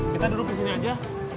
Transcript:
kita duduk di sini aja